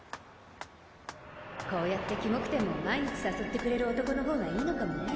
こうやってキモくても毎日誘ってくれる男の方がいいのかもね